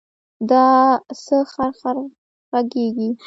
دا څه خرخر غږېږې.